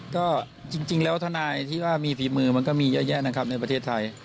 ก็จริงแล้วทนายที่ว่ามีฝีมือมันก็มีเยอะแยะนะครับในประเทศไทย